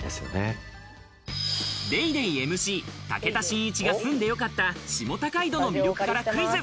『ＤａｙＤａｙ．』ＭＣ、武田真一が住んでよかった下高井戸の魅力からクイズ。